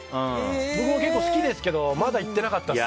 僕も結構好きですけどまだ行ってなかったです。